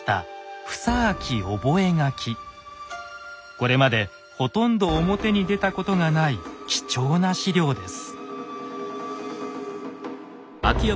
これまでほとんど表に出たことがない貴重な史料です。